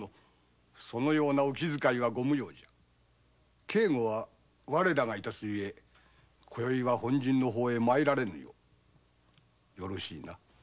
お気遣いはご無用じゃ警護は我らで致す故こよいは本陣の方へ参られぬようよろしいな。